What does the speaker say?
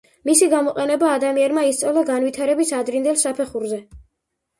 მისი გამოყენება ადამიანმა ისწავლა განვითარების ადრინდელ საფეხურზე.